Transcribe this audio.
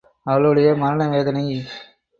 அவளுடைய மரண வேதனை.